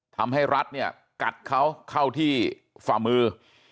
ทำให้รัฐเนี่ยกัดเขาเข้าที่ฝ่ามือ